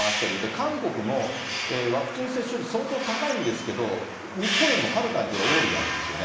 韓国もワクチン接種率、相当高いんですけど、日本よりもはるかに多いわけですよね。